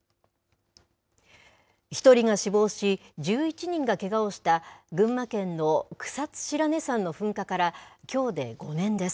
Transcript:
１人が死亡し、１１人がけがをした群馬県の草津白根山の噴火から、きょうで５年です。